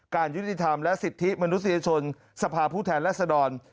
การยุติธรรมและสิทธิมนุษยชนสภาพผู้แทนและสะดอน